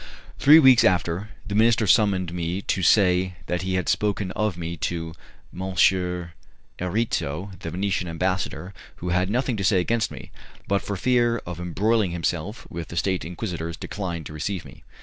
Three weeks after, the minister summoned me to say that he had spoken of me to M. Erizzo, the Venetian ambassador, who had nothing to say against me, but for fear of embroiling himself with the State Inquisitors declined to receive me.